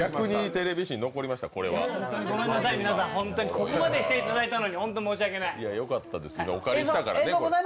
ここまでしていただいたのに、本当に申し訳ない。